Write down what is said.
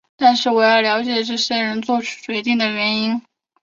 但是我要了解这些人作出决定的原因。